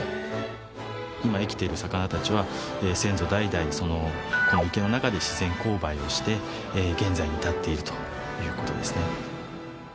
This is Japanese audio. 今生きている魚たちは先祖代々この池の中で自然交配をして現在に至っているという事ですね。